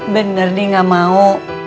bener nih gak mau